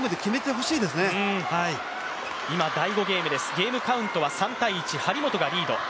ゲームカウントは３−１、張本がリード。